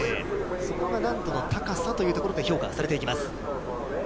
そこが難度の高さというところが評価されていきます。